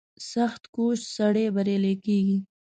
• سختکوش سړی بریالی کېږي.